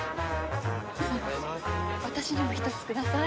私にも１つください。